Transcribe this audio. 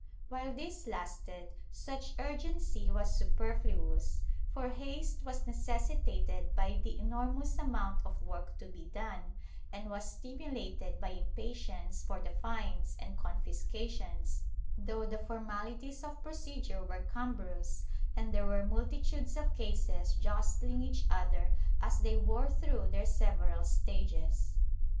While this lasted such urgency was superfluous, for haste was necessitated by the enormous amount of work to be done, and was stimulated by impatience for the fines and confiscations, though the formal ities of procedure were cumbrous and there were multitudes of cases jostling each other as they wore through their several stages.